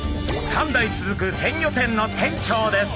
３代続く鮮魚店の店長です。